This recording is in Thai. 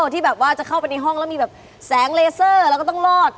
ที่แบบว่าจะเข้าไปในห้องแล้วมีแบบแสงเลเซอร์แล้วก็ต้องรอด